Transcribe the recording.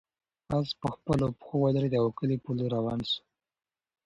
آس په خپلو پښو ودرېد او د کلي په لور روان شو.